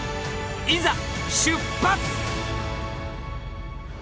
いざ出発！